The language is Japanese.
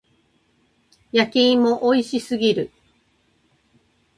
焼き芋美味しすぎる。